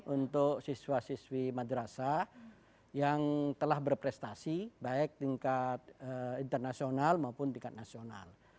untuk siswa siswi madrasah yang telah berprestasi baik tingkat internasional maupun tingkat nasional